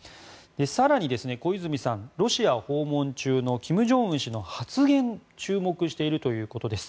更に小泉さんはロシア訪問中の金正恩氏の発言に注目しているということです。